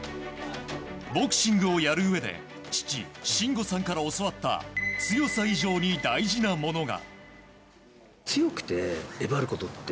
ボクシングをやるうえで父・真吾さんから教わった強さ以上に大事なものが。